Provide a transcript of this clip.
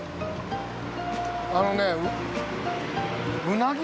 あのね。